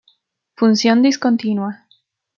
Función discontinua